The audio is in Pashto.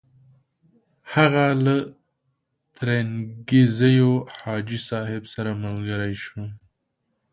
هغه له ترنګزیو حاجي صاحب سره ملګری شو.